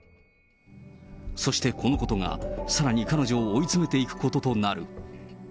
そしてこのことが、さらに彼女を追い詰めていくこととなる。